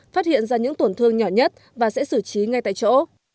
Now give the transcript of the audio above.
phát hiện ra những tổn thương nhỏ nhất và sẽ xử trí ngay tại chỗ